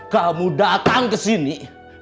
kamu datang kesini